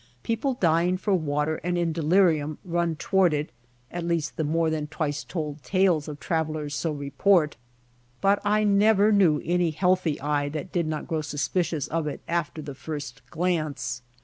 People dying for water and in delirium run toward it — at least the more than twice told tales of trav ellers so report — but I never knew any healthy eye that did not grow suspicious of it after the first glance.